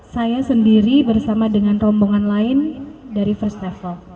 saya sendiri bersama dengan rombongan lain dari first travel